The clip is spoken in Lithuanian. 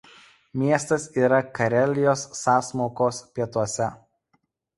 Miestas yra Karelijos sąsmaukos pietuose.